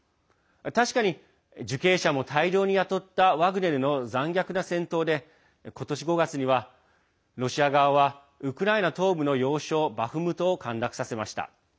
確かに、受刑者も大量に雇ったワグネルの残虐な戦闘で今年５月にはロシア側はウクライナ東部の要衝バフムトを陥落させました。